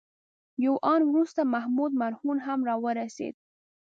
یو آن وروسته محمود مرهون هم راورسېد.